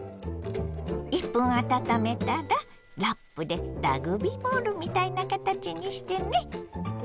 １分あたためたらラップでラグビーボールみたいな形にしてね。